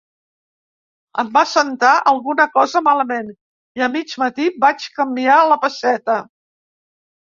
Em va sentar alguna cosa malament i a mig matí vaig canviar la pesseta.